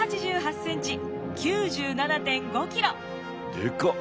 でかっ！